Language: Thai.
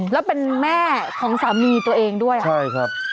แล้วเป็นแม่ของสามีตัวเองด้วยค่ะใช่ครับ